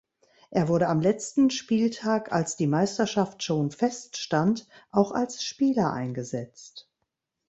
Er wurde am letzten Spieltag, als die Meisterschaft schon feststand, auch als Spieler eingesetzt.